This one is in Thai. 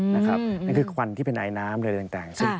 นั่นคือควันที่เป็นไอน้ำอะไรต่าง